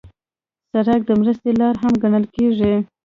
سړک د مرستې لاره هم ګڼل کېږي.